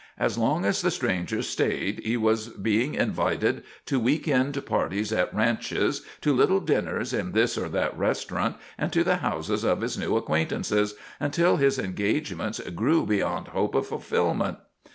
As long as the stranger stayed he was being invited to week end parties at ranches, to little dinners in this or that restaurant and to the houses of his new acquaintances, until his engagements grew beyond hope of fulfilment.